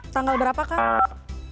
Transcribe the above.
tanggal berapa kang